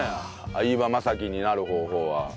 相葉雅紀になる方法は。